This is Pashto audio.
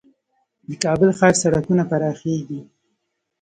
د کابل ښار سړکونه پراخیږي؟